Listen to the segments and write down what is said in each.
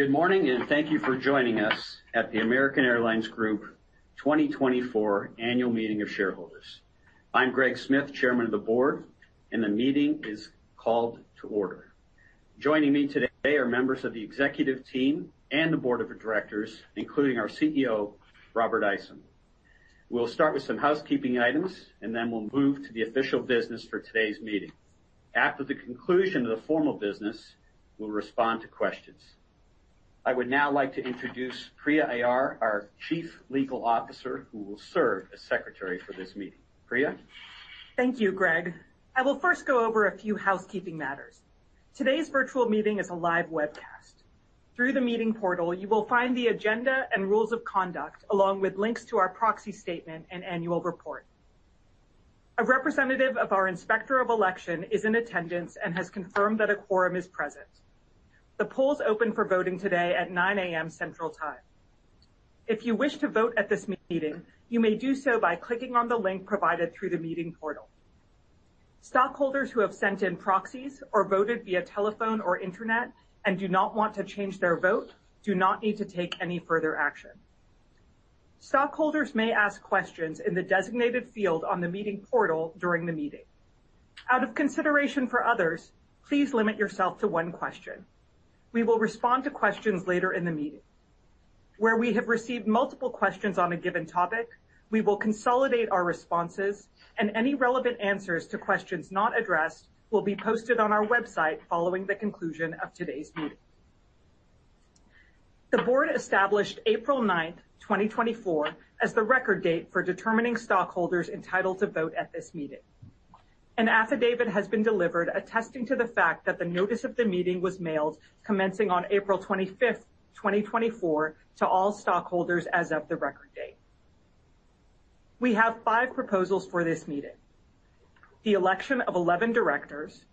Good morning, and thank you for joining us at the American Airlines Group 2024 Annual Meeting of Shareholders. I'm Greg Smith, Chairman of the Board, and the meeting is called to order. Joining me today are members of the executive team and the board of directors, including our CEO, Robert Isom. We'll start with some housekeeping items, and then we'll move to the official business for today's meeting. After the conclusion of the formal business, we'll respond to questions. I would now like to introduce Priya Aiyar, our Chief Legal Officer, who will serve as secretary for this meeting. Priya? Thank you, Greg. I will first go over a few housekeeping matters. Today's virtual meeting is a live webcast. Through the Meeting Portal, you will find the agenda and rules of conduct, along with links to our proxy statement and annual report. A representative of our Inspector of Election is in attendance and has confirmed that a quorum is present. The polls opened for voting today at 9:00 A.M. Central Time. If you wish to vote at this meeting, you may do so by clicking on the link provided through the Meeting Portal. Stockholders who have sent in proxies or voted via telephone or internet and do not want to change their vote do not need to take any further action. Stockholders may ask questions in the designated field on the Meeting Portal during the meeting. Out of consideration for others, please limit yourself to one question. We will respond to questions later in the meeting. Where we have received multiple questions on a given topic, we will consolidate our responses, and any relevant answers to questions not addressed will be posted on our website following the conclusion of today's meeting. The board established April 9th, 2024, as the record date for determining stockholders entitled to vote at this meeting. An affidavit has been delivered, attesting to the fact that the notice of the meeting was mailed commencing on April 25th, 2024, to all stockholders as of the record date. We have five proposals for this meeting: the election of 11 directors,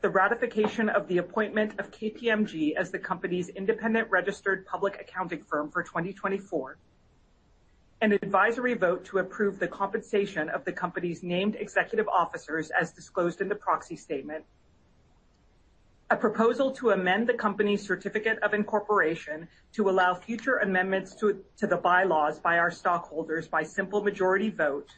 the ratification of the appointment of KPMG as the company's independent registered public accounting firm for 2024, an advisory vote to approve the compensation of the company's named executive officers as disclosed in the proxy statement, a proposal to amend the company's certificate of incorporation to allow future amendments to the bylaws by our stockholders by simple majority vote,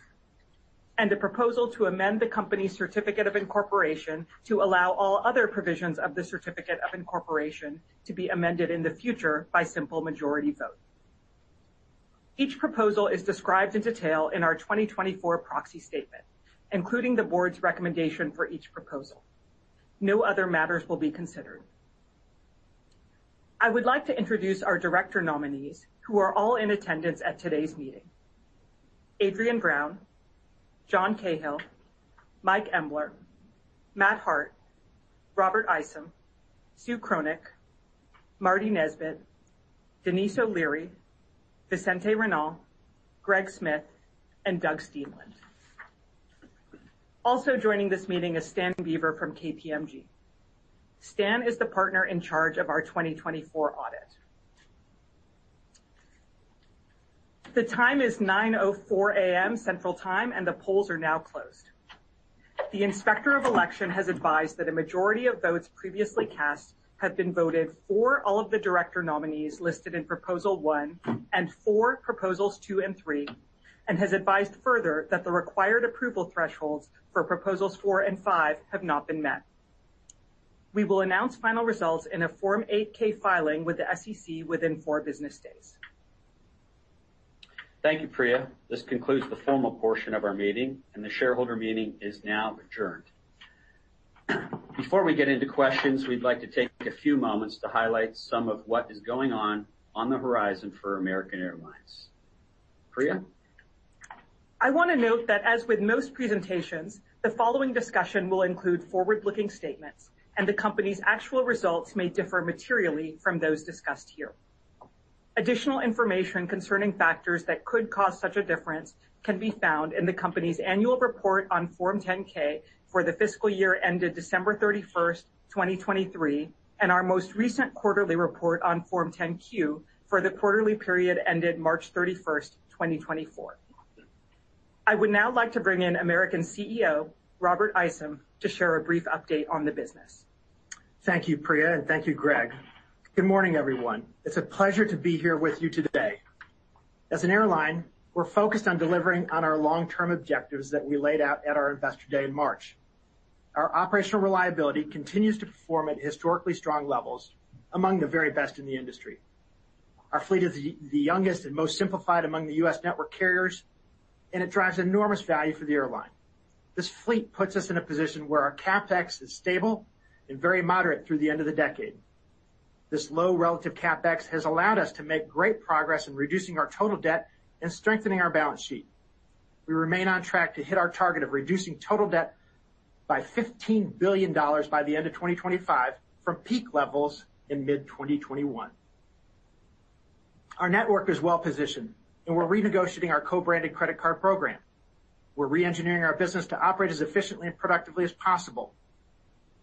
and a proposal to amend the company's certificate of incorporation to allow all other provisions of the certificate of incorporation to be amended in the future by simple majority vote. Each proposal is described in detail in our 2024 proxy statement, including the board's recommendation for each proposal. No other matters will be considered. I would like to introduce our director nominees, who are all in attendance at today's meeting. Adriane Brown, John Cahill, Mike Embler, Matt Hart, Robert Isom, Sue Kronick, Marty Nesbitt, Denise O'Leary, Vicente Reynal, Greg Smith, and Doug Steenland. Also joining this meeting is Stan Beaver from KPMG. Stan is the partner in charge of our 2024 audit. The time is 9:04 A.M. Central Time, and the polls are now closed. The Inspector of Election has advised that a majority of votes previously cast have been voted for all of the director nominees listed in Proposal One and for Proposals Two and Three, and has advised further that the required approval thresholds for Proposals Four and Five have not been met. We will announce final results in a Form 8-K filing with the SEC within four business days. Thank you, Priya. This concludes the formal portion of our meeting, and the shareholder meeting is now adjourned. Before we get into questions, we'd like to take a few moments to highlight some of what is going on on the horizon for American Airlines. Priya? I want to note that, as with most presentations, the following discussion will include forward-looking statements, and the company's actual results may differ materially from those discussed here. Additional information concerning factors that could cause such a difference can be found in the company's Annual Report on Form 10-K for the fiscal year ended December 31st, 2023, and our most recent quarterly report on Form 10-Q for the quarterly period ended March 31st, 2024. I would now like to bring in American's CEO, Robert Isom, to share a brief update on the business. Thank you, Priya, and thank you, Greg. Good morning, everyone. It's a pleasure to be here with you today. As an airline, we're focused on delivering on our long-term objectives that we laid out at our Investor Day in March. Our operational reliability continues to perform at historically strong levels among the very best in the industry. Our fleet is the youngest and most simplified among the U.S. network carriers, and it drives enormous value for the airline. This fleet puts us in a position where our CapEx is stable and very moderate through the end of the decade. This low relative CapEx has allowed us to make great progress in reducing our total debt and strengthening our balance sheet. We remain on track to hit our target of reducing total debt by $15 billion by the end of 2025 from peak levels in mid-2021. Our network is well-positioned, and we're renegotiating our co-branded credit card program. We're reengineering our business to operate as efficiently and productively as possible.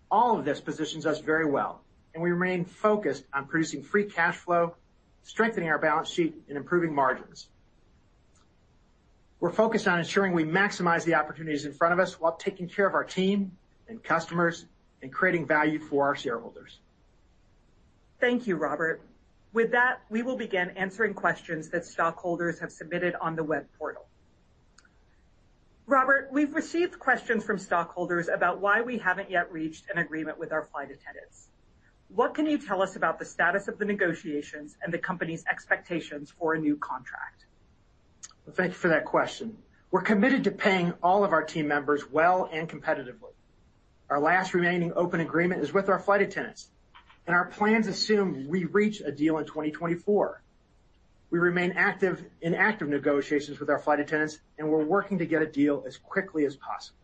All of this positions us very well, and we remain focused on producing free cash flow, strengthening our balance sheet, and improving margins.... We're focused on ensuring we maximize the opportunities in front of us, while taking care of our team and customers, and creating value for our shareholders. Thank you, Robert. With that, we will begin answering questions that stockholders have submitted on the web portal. Robert, we've received questions from stockholders about why we haven't yet reached an agreement with our flight attendants. What can you tell us about the status of the negotiations and the company's expectations for a new contract? Well, thank you for that question. We're committed to paying all of our team members well and competitively. Our last remaining open agreement is with our flight attendants, and our plans assume we reach a deal in 2024. We remain active in active negotiations with our flight attendants, and we're working to get a deal as quickly as possible.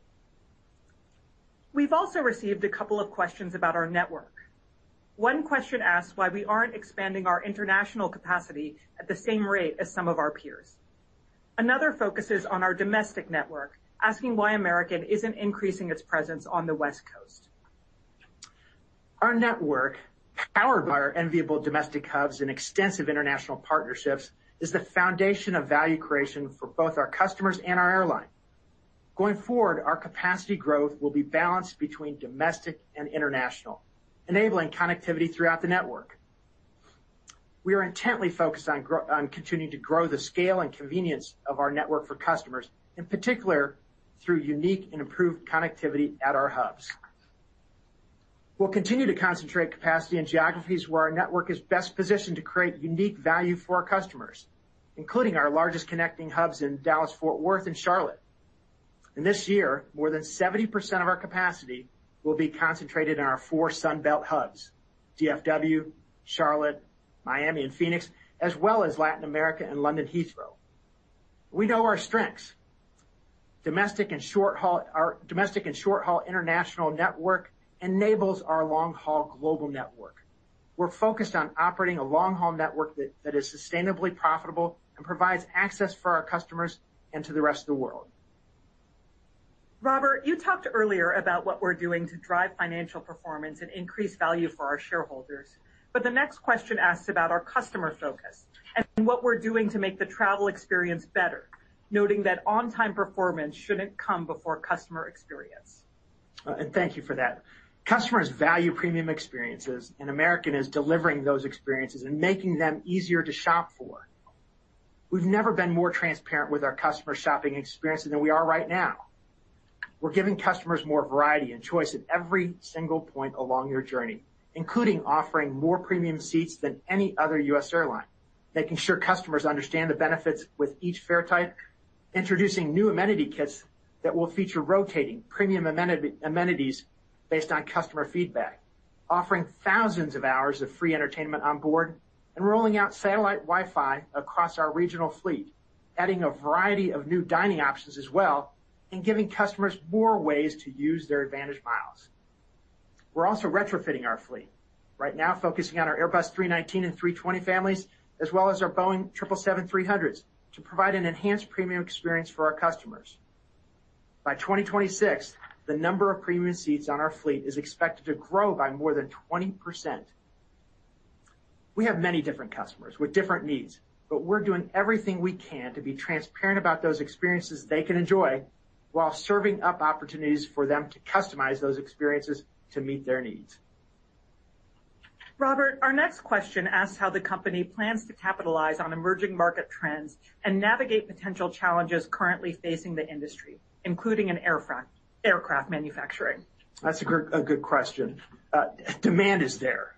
We've also received a couple of questions about our network. One question asks why we aren't expanding our international capacity at the same rate as some of our peers. Another focuses on our domestic network, asking why American isn't increasing its presence on the West Coast. Our network, powered by our enviable domestic hubs and extensive international partnerships, is the foundation of value creation for both our customers and our airline. Going forward, our capacity growth will be balanced between domestic and international, enabling connectivity throughout the network. We are intently focused on continuing to grow the scale and convenience of our network for customers, in particular, through unique and improved connectivity at our hubs. We'll continue to concentrate capacity in geographies where our network is best positioned to create unique value for our customers, including our largest connecting hubs in Dallas-Fort Worth and Charlotte. And this year, more than 70% of our capacity will be concentrated in our four Sun Belt hubs, DFW, Charlotte, Miami, and Phoenix, as well as Latin America and London Heathrow. We know our strengths. Domestic and short-haul, are... Domestic and short-haul international network enables our long-haul global network. We're focused on operating a long-haul network that is sustainably profitable and provides access for our customers and to the rest of the world. Robert, you talked earlier about what we're doing to drive financial performance and increase value for our shareholders, but the next question asks about our customer focus and what we're doing to make the travel experience better, noting that on-time performance shouldn't come before customer experience. And thank you for that. Customers value premium experiences, and American is delivering those experiences and making them easier to shop for. We've never been more transparent with our customer shopping experiences than we are right now. We're giving customers more variety and choice at every single point along their journey, including offering more premium seats than any other U.S. airline, making sure customers understand the benefits with each fare type, introducing new amenity kits that will feature rotating premium amenities based on customer feedback. Offering thousands of hours of free entertainment on board and rolling out satellite Wi-Fi across our regional fleet, adding a variety of new dining options as well, and giving customers more ways to use their AAdvantage miles. We're also retrofitting our fleet. Right now, focusing on our Airbus A319 and A320 families, as well as our Boeing 777-300s, to provide an enhanced premium experience for our customers. By 2026, the number of premium seats on our fleet is expected to grow by more than 20%. We have many different customers with different needs, but we're doing everything we can to be transparent about those experiences they can enjoy, while serving up opportunities for them to customize those experiences to meet their needs. Robert, our next question asks how the company plans to capitalize on emerging market trends and navigate potential challenges currently facing the industry, including in aircraft manufacturing. That's a good, a good question. Demand is there.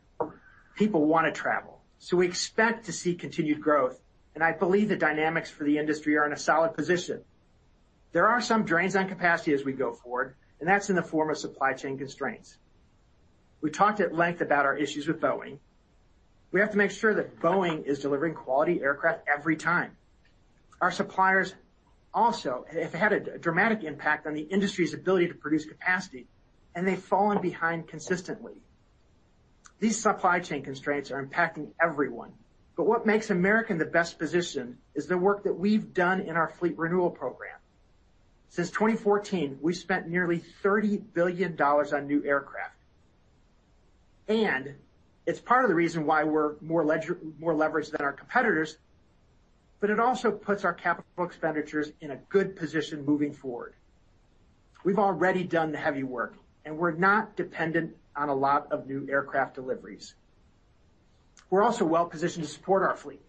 People want to travel, so we expect to see continued growth, and I believe the dynamics for the industry are in a solid position. There are some drains on capacity as we go forward, and that's in the form of supply chain constraints. We talked at length about our issues with Boeing. We have to make sure that Boeing is delivering quality aircraft every time. Our suppliers also have had a dramatic impact on the industry's ability to produce capacity, and they've fallen behind consistently. These supply chain constraints are impacting everyone, but what makes American the best position is the work that we've done in our fleet renewal program. Since 2014, we've spent nearly $30 billion on new aircraft, and it's part of the reason why we're more leveraged than our competitors, but it also puts our capital expenditures in a good position moving forward. We've already done the heavy work, and we're not dependent on a lot of new aircraft deliveries. We're also well-positioned to support our fleet.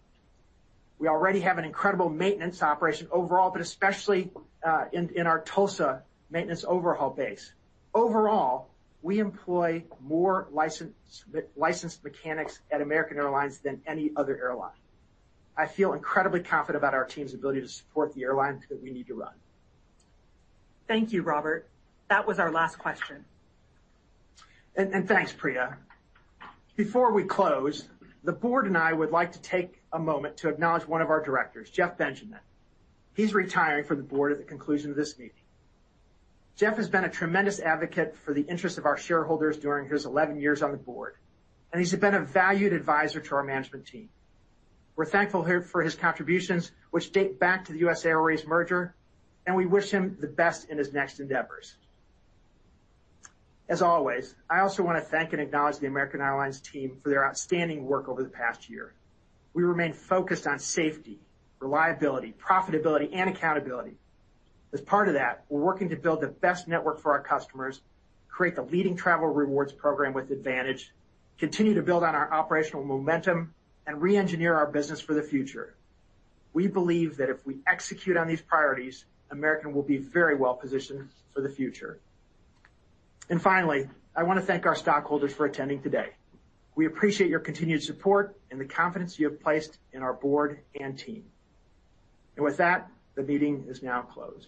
We already have an incredible maintenance operation overall, but especially in our Tulsa maintenance overhaul base. Overall, we employ more licensed mechanics at American Airlines than any other airline. I feel incredibly confident about our team's ability to support the airlines that we need to run. Thank you, Robert. That was our last question. And thanks, Priya. Before we close, the board and I would like to take a moment to acknowledge one of our directors, Jeff Benjamin. He's retiring from the board at the conclusion of this meeting. Jeff has been a tremendous advocate for the interest of our shareholders during his 11 years on the board, and he's been a valued advisor to our management team. We're thankful here for his contributions, which date back to the US Airways merger, and we wish him the best in his next endeavors. As always, I also want to thank and acknowledge the American Airlines team for their outstanding work over the past year. We remain focused on safety, reliability, profitability, and accountability. As part of that, we're working to build the best network for our customers, create the leading travel rewards program with AAdvantage, continue to build on our operational momentum, and re-engineer our business for the future. We believe that if we execute on these priorities, American will be very well-positioned for the future. And finally, I want to thank our stockholders for attending today. We appreciate your continued support and the confidence you have placed in our board and team. And with that, the meeting is now closed.